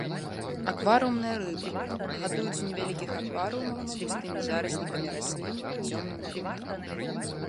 Акварыумная рыба, гадуюць у невялікіх акварыумах з густымі зараснікамі раслін і цёмным грунтам.